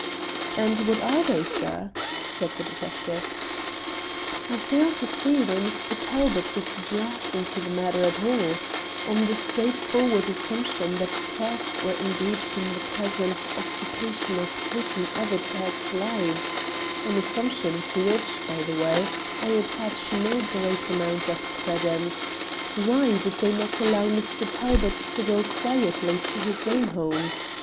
"And what are they, sir?" said the detective. "I fail to see why Mr. Talbot was dragged into the matter at all. On the straightforward assumption that Turks were engaged in the pleasant occupation of taking other Turks' lives an assumption to which, by the way, I attach no great amount of credence why did they not allow Mr. Talbot to go quietly to his own home?